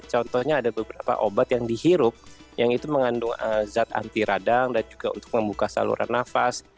contohnya ada beberapa obat yang dihirup yang itu mengandung zat anti radang dan juga untuk membuka saluran nafas